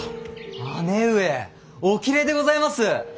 姉上おきれいでございます。